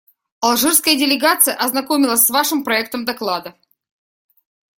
Алжирская делегация ознакомилась с Вашим проектом доклада.